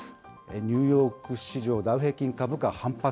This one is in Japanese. ニューヨーク市場ダウ平均株価、反発。